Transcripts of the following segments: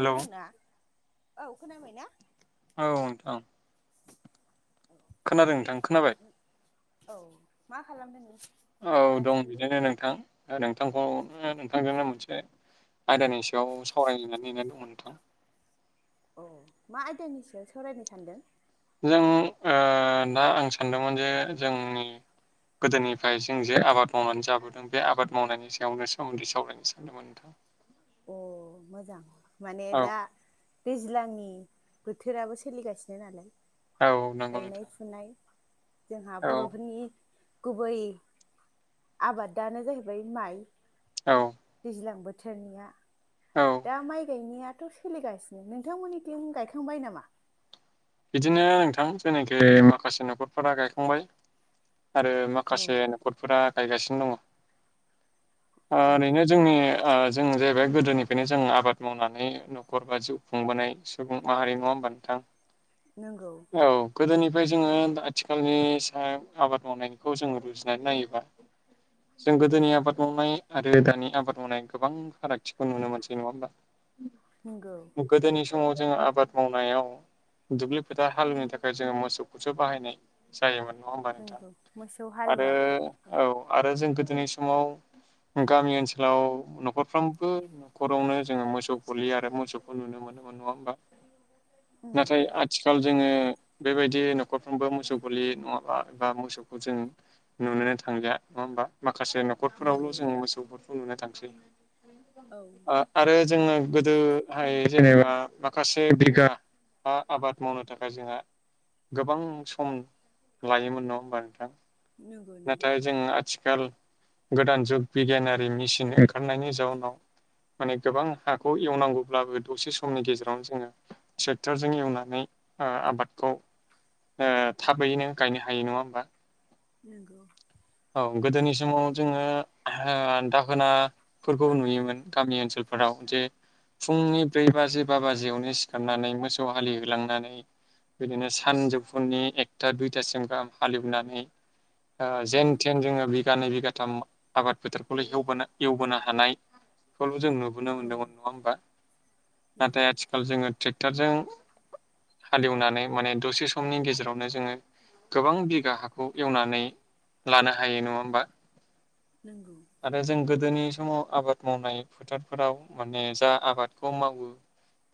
खोनादों ना औ खोनाबाय ना? औ नोंथां। औे खोनादों नोंथां खोनाबाय। औ मा खालामदों नों औ दं दासान्दि बिदिनो नोंथां। ओ नोंथांखौनो नोंथांजोंनो मोनसे आयदानि सायाव सावरायनानै नेनानै दङमोन नोंथां। अ' मा आयदानि सायाव सावरायनो सानदों? जों ओ ना आं सानदोंमोन जे जोंनि गोदोनिफ्राय जों जे आबाद मावनानै जाबोद ओं बे आबाद मावनायनि सायावनो सोमोन्दै सावरायनो सानदोंमोन नोंथां। अ' मोजां माने दा दैज्लांनि बोथोराबो सोलिगासिनो नालाय गायनाय, फुनाय जोंहा बर'फोरनि गुबै आबादानो जाहैबाय माइ। औ। दैज्लां बोथोरनिया दा माइ गायनायाथ' सोलिगासिनो, नोंथांमोननिथिं गायखांबाय नामा? बिदिनो नोंथां जेनाखि माखासे न'खरफोरा गायखांबाय आरो अ माखासे नखरफोरा गायगासिनो दङ अ ओरैनो जोंनि ओ जों जाहैबाय गोदोनिफ्रायनो जों आबाद मावनानै न'खर बा जिउ खुंबोनाय सुबुं माहारि नङा होमबा नोंथां? नोंगौ। औ गोदोनिफाय जोङो आथिखालनि साहा आबाद मावनायखौ जोङो रुजुनानै नायोबा [inaudible] जों गोदोनि आबाद मावनाय आरो दानि आबाद मावनाय गोबां फारागथिखौ नुनो मोनसै नङा होमबा? उम नोंगौ। गोदोनि समाव जोङो आबाद मावनायाव दुब्लि फोथार‌ हालेवनो थाखाय जोङो मोसौखौसो बाहायनाय जायोमोन नङा होमबा नोंथां नंगौ मोसौ आरो हालुवाखौ औ आरो जों गोदोनि समाव गामि ओनसोलाव न'खरफ्रोमबो न'खरावनो जोङो मोसौ गलियो आरो मोसौखौ नुनो मोनोमोन नङा होमबा। ओ नंगौ। आथिखाल जोङो बेबायदि न'खरफ्रोमबो मोसौ गोरलि नङाब्ला बा मोसौखौ जों नुनोनो थांलिया नङा होमबा माखासे नखर नंगौ नखरावल' जोङो मोसौफोरखौ नुनो थांसै औ ओ आरो जोङो गोदो हाय जेनेबा माखासे बिगा आबाद मावनो थाखाय जोंहा गोबां सम लायोमोन नङा होमबा नोंथां? नंगौ नंगौ नाथाय जों आथिखाल आथिल गोदान जुग बिगियानारि मेसिन ओंखारनायनि जाउनाव माने गोबां हाखौ एवनांगौब्लाबो दसे समनि गेजेरावनो जोङो ट्रेक्टरजों एवनानै ओ आबादखौ ओ थाबैनो गायनो हायो नङा होमबा? नंगौ। औ गोदोनि समाव जोङो ओ दाहोना फोरखौ नुयोमोन गामि ओनसोलफोराव जे फुंनि ब्रै बाजि बा बाजियावनो सिखारनानै मोसौ हालि होलांनानै बिदिनो सानजौफुनि एकथा दुइथासिम गाहाम हालेवनानै ओ औ जेन बिघानै बिगाथाम आबाद फोथारखौल' एवबोनो एवबोनो हानायखौल' जों नुबोदो नुनो औ मोन्दोंमोन नङा होमबा? नंगौ नाथाय आथिखाल जोङो ट्रेक्टरजों हालेवनानै माने दसे समनि गेजेरावनो जोङो गोबां बिगा हाखौ एवनानै लानो हायो नङा होमबा। नंगौ। आरो जों गोदोनि समाव आबाद मावनाय फोथारफोराव माने जा आबादखौ मावो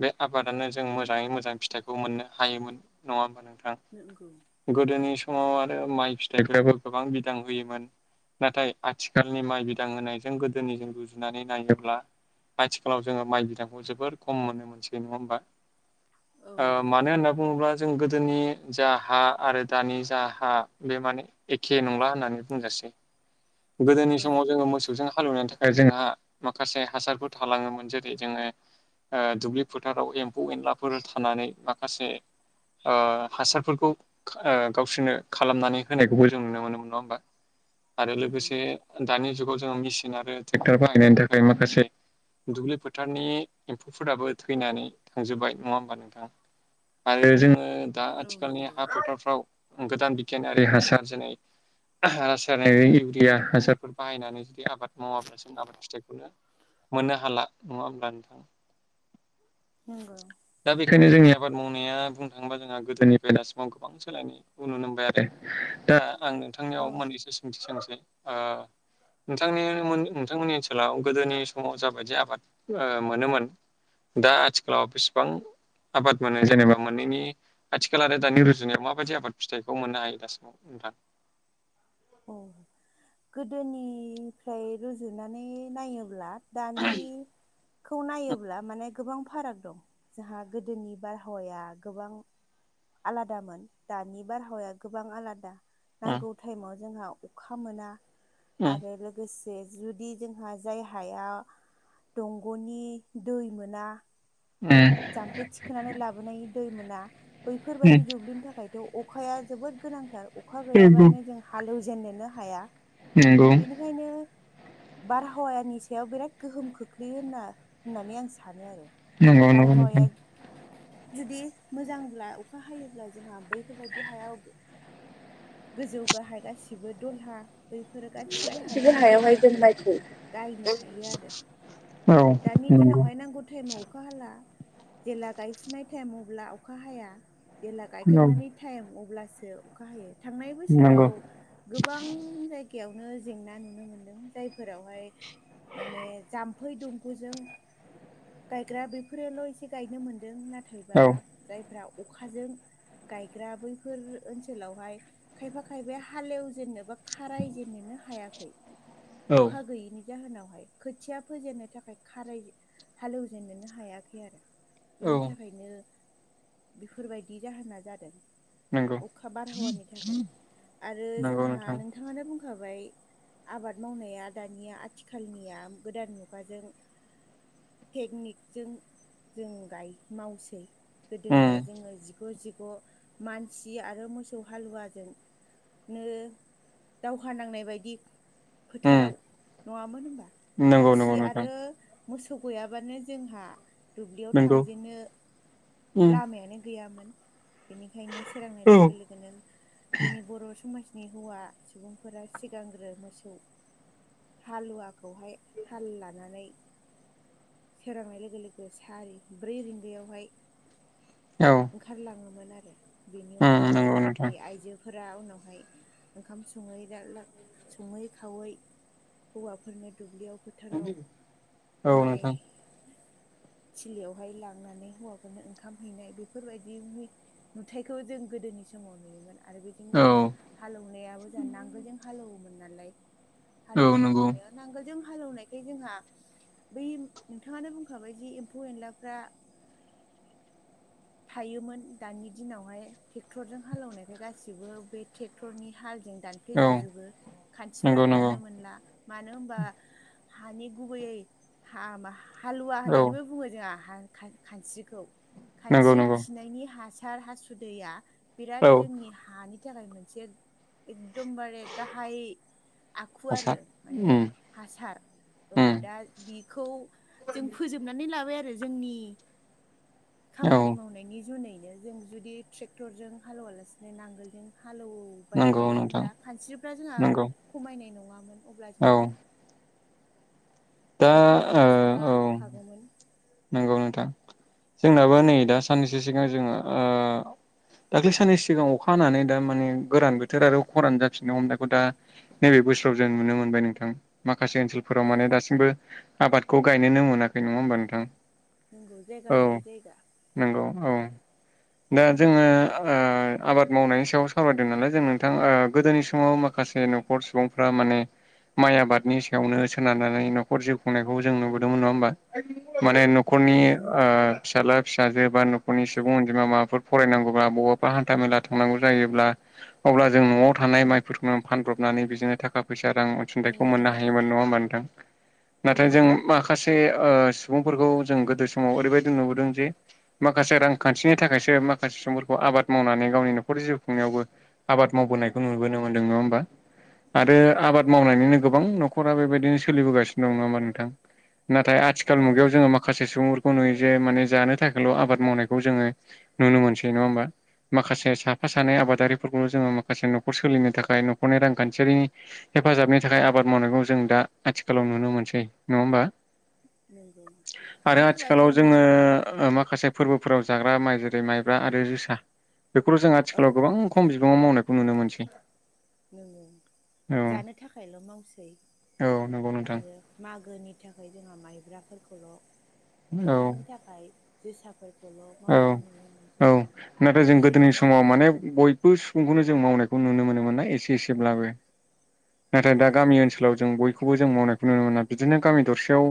बे आबादानो जों मोजाङै मोजां फिथाइखौ मोननो हायोमोन नङा होमबा नोंथां। नोंंगौ। गोदोनि समाव आरो माइ फिथाइफोराबो गोबां बिदां होयोमोन। नाथाय आथिखालनि माइ बिदां होनायजों गोदोनिजों रुजुनानै नायोब्ला आथिखालाव जोङो माइ बिदांखौ जोबोर खम नुनो मोनसै नङा होमबा औ नंगौ मानो होनना बुङोब्ला जों गोदोनि जा हा आरो दानि जा हा बे माने एखे नंला होननानै बुंजासै गोदोनि औ समाव जोङो मोसौजों हालौवनो थाखाय जोंहा माखासे हासारफोर थालाङोमोन जेरै जोङो ओ दुब्लि फोथाराव एम्फौ एनलाफोर थानानै माखासे ओ हासारफोरखौ ओ गावसोरनो खालामनानै होनायखौबो जों नुनो मोनोमोन नङा होमबा आरो नंगौ लोगोसे दानि जुगाव जोङो मेचिन आरो ट्रेक्टर बाहायनायनि थाखाय माखासे दुब्लि फोथारनि एम्फौफोराबो थैनानै थांजोब्बाय नङा होमबा नोंथां आरो जोङो दा औ आथिखालनि नंगौ हा फोथारफ्राव गोदान बिगियानारि हासार जेरै ओहो रासायनारि इउरिया हासारफोर बाहायनानै बे आबाद मावाब्ला जों आबाद फिथाइखौनो मोननो हाला नङा होमब्ला नोंथां नोंगौ। दा बेखायनो जोंनि आबाद मावनाया बुंनो थाङोबा जोंहा गोदोनिफ्राय दासिमाव गोबां सोलाय नुनो मोनबाय आरो दा आं नोंथांनियाव औ मोननैसो सोंथि सोंसै [inaudible] नोंथांनि नोंथांमोननि ओनसोलाव गोदोनि समाव जाबायदि आबाद ओ मोनोमोन दा आथिखाला बेसेबां आबाद मोनो जेनेबा मोननैनि आथिखाल आरो दानि रुजुनायाव माबायदि आबाद फिथाइखौ मोननो हायो दास ओ खोनथा औ गोदोनि फ्राय रुजु नानै नायोब्ला दानि खौ नायोब्ला माने गोबां फाराग दं जोहा गोदोनि बारहावाया गोबां आलादामोन दानि बारहावाया गोबां आलादा नांगौ टायेमाव जोंहा अखा मोना आरो लोगोसे जुदि जोंहा जाय हाया दंग'नि दै मोना ओम जाम्फै थिखोनानै लाबोनाय दै मोना बैफोरबायदि दुब्लिनि थाखाय अखाया जोबोद गोनांथार अखा गैयाबानो जों हालेवजेननोनो हाया। नोंगौ बेखायनो बारहावानि सायाव बिराद गोहोम खोख्लैयो होनना होननानै आं सानो आरो नंगौ नंगौ नोंथां। बारहावाया जुदि मोजांब्ला अखा हायोब्ला जोंहा बैफोरबायदि हायाव गोजौ गाहाय गासिबो दलहा बैफोरो गासिबो हायावहाय जों माइखौ गायनो हायो आरो औ दानि नंगौ दिनावहाय नांगौ टाइमआव अखा हाला जेला गायफुनाय टाइम अब्ला अखा हाया जेला औ गायखांनानै टाइम अब्लासो अखा हायो थांनाय नंगौ बोसोराव गोबां जायगायावनो जेंना नुनो मोनदों जायफोरावहाय माने जाम्फै दुमग'जों गायग्रा बेफोर फोरोल' एसे गायनो मोनदों नाथायबा औ। जायफ्रा अखाजों गायग्रा बैफोर ओनसोलावहाय खायफा खायफाया हालेव जेननो बा खाराय जेननोनो हायाखै अखा गैयिनि जाहोनावहाय खोथिया फोेजेननो थाखाय खाराय हालेवजेननोनो हायाखै आरो बिनि थाखायनो बेफोरबायदि जाहोना जादों अखा बारहावानि थाखाय आरो जोंहा नोंथाङानो बुंखाबाय आबाद मावनाया दानिया आथिखालनिया गोदान मुगाजों टेकनिक जों जों गाय मावसै गोदोनिया जोङो जिग' जिग' मानसि आरो मोसौ हालुवाजों नो दावहा नांनाय बायदि फोथाराव नङामोन होमबा मानसि आरो मोसौ गैयाबानो जोंहा दुब्लियाव थांजेननो लामायानो गैयामोन बेनिखायनो सोरांनाय लोगो लोगोनो जोंनि बर' समाजनि हौवा सुबुंफोरा सिगांग्रो मोसौ हालुवाखौहाय हाल लानानै सोरांनाय लोगो लोगो सारि ब्रै रिंगायावहाय औ ओंखारलाङोमोन आरो बिनि उनावहाय नै आइजो फोरा उनावहाय ओंखाम सङैला सङै खावै हौवाफोरनो दुब्लियाव फोथाराव माइ थिलियावहाय लांनानै हौवाफोरनो ओंखाम हैनाय बेफोरबायदि मिट नुथायखौ जों गोदोनि समाव नुयोमोन आरो बेजों लोगोसे हालेवनायाबो जों नांगोलजों हालेवोमोन नालाय हालेवनायाव नांगोलजों हालौवनायखाय जोंहा बै नोंथाङानो बुंखाबाय जि एम्फौ एनलाफ्रा थायोमोन दानि दिनावहाय ट्रेक्टरजों हालेवनायखाय गासिबो बेे टे क्टरनि हालजों दानफ्लेेजाजोबो खान्थिफ्रा थानो मोनला मानो होमबा हानि गुबैयै हामा हालुवा होननानैबो बुङो जोंहा खा खानस्रिखौ खानस्रि खिनायनि हासार हासुदैया बिराद जोंनि हानि थाखाय मोनसे एकदमबारे गाहाय आखु आरो माने हासार औ दा बेखौ जों फोजोबनानै लाबाय आरो जोंनि खामानि मावनायनि जुनैनो जों जुदि ट्रेक्टरजों हालेवालासिनो नांगोलजों हालेवबाय थायोमोनब्ला खानस्रिफ्रा जोंहा खमायनाय नङामोन अब्ला जोंहा फोथाराव हासारा थागौमोन गौ नोंथां जोंनाबो नै दा साननैसो सिगां जोङो दाखै सानन सिगां अखा हानानै दा माने गोरान बोथोर आरो खरान जाफिननो हमनायखौ दा नैबे बोसोराव जों नुनो मोनबाय नोंथां माखासे ओनसोल औ फोराव माने दासिमबो आबादखौ गायनोनो मोनाखै नङा होमबा नोंथां? नंगौ जायगा लायै जायगा। नंगौ औ। दा जोङो आबाद मावनायनि सायाव सावरायदों नालाय जों नोंथां गोदोनि समाव मा खासे न'खर सुबुंफ्रा माने माइ आबादनि सायावनो सोनारनानै न'खर जिउ खुंनायखौ जों नुबोदोंमोन नङा होमबा माने न' औ खरनि फिसााजला फिसाजो बा न'खरनि सुबुं अनजिमा माबाफोर फरायनांगौा बबावबा हान्था मेला था थांनांगौ जायोब्ला अब्ला जों न'आव थानाय माइफोरखौ नों फानब्रबनानै बिदिनो थाखा फैसा रां अनसुंथाइखौ नंगौ मोननो नंगौ हायोमोन नङा होमबा नोंथां नाथाय जों नंगौ माखासे सुबुंफोरखौ जों गोदो समाव ओरैबायदि नुबोदों जे माखासे रांखान्थिनि थाखायसो माखासे समफोरखौ आबाद मावनानै गावनि न'खरनि जिउ खुंनायावबो आबाद मावबोनायखौ नुबोनो मोनदों नङा होमबा आरो नंगौ आबाद मावनायनिनो गोबां नख'रा बेबायदिनो सोलिबोगासिनो दं नङामा नोंथां नाथाय आथिखाल नंगौ मुगायाव जोङो मा माखासे सुबुंफोरखौ नुयो जे माने जानो थाखायल' आबाद मावनायखौ जोङो नुनो मोनसै नङा होमबा माखासे साफा सानै आबादारिफोर खौनो जोङो माखासे न'खर सोलिनो थाखाय न'खरनि रांखान्थियारिनि हेफाजाबनि थाखाय आबाद मावनायखौ जों दा आथिखालाव नुनो मोनसै नङा होमबा? नोंगौ। आरो आथिखालाव जोङो माखासे फोरबोफोराव जाग्रा माइ जेरै माइब्रा आरो जोसा बेखौथ' जों औ आथिखालाव गोबां खम बिबाङाव मावनायखौ नुनो मोनसै। नोङो जानो थाखायल' मावसै आरो मागोनि थाखाय जोंहा माइब्राफोरखौल' फिथानि थाखाय जोसाफोरखौ खौल' मावनायखौ नुनो मोनसै बांसिनानो जों माने बय बो सुबुंखौनो जों मावनायखौ नुनो मोनोमोन ना एसे एसेब्लाबो नाथाय औ दा गामि ओनसोलाव जों बयखौबो जों मावनायखौ नुनो मोना बिदिनो गामि दरसेयाव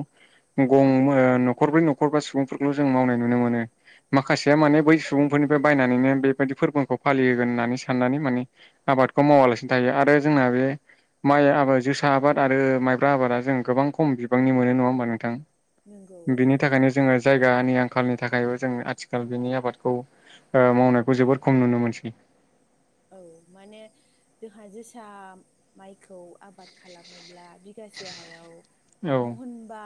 गं ओ न'खरब्रै न'खरबा सुबुंफोरखौल' जों मावनाय नुनो मोनो माखासेया माने बै सुबुंफोरनिफ्राय बायनानैनो बेबायदि फोरबोखौ फालिहोगोन होननानै साननानै माने आबादखौ मावालासिनो थायो आरो जोंना बे माइ आबाद जोसा आबाद आरो माइब्रा आबादा जों गोबां खम बिबांनि मोनो नङा होमबा नोंथां? नंगौ औ बिनि थाखायनो जोङो जायगानि आंखालनि थाखायबो जों आथिखाल बिनि आबादखौ मावनायखौ जोबोद खम नुनो मोनसै औ माने जोंहा जोसा माइखौ आबाद खालामोब्ला बिगासे हायाव महनबा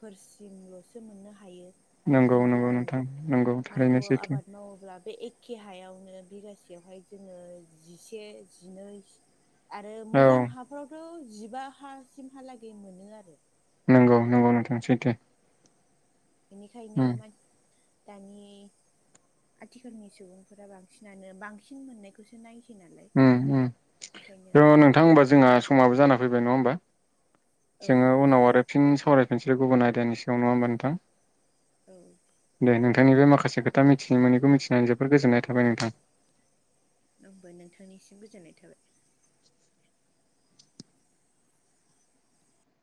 फोरसिमल'सो मोननो हायो। आरो जों गुबुन माइखौ आबाद मावोब्ला बे ए केे हायावनो बिगासेयावहाय जोङो जिसे जिनै आरो मोजां हाफ्रावथ' जिबा हासिमहालागै मोनो आरो नंगौ नंगौ नोंथां सैथो बेनिखायनो मान दानि आथिखालनि सुबुंफोरा बांसिनानो बांसिन मोननायखौ बेखौसो नायसै नालाय ओंखायनो थ' नोंथां होमबा जोंहा समावबो जान फैबाय नङा होनबा औ जोङो उनाव आरो फिन सावरायफिनसै गुबुन आयदानि सगायाव नङा होमबा नोंथां औ दे नोंथांनि बे माखासे खोथा मिथिनि मोनैखौ मिथिनानै जोबोर गोजोननाय थाबाय नोंथां आंबो नोंथांनिसिम गोजोननाय थाबाय